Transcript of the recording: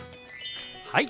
はい！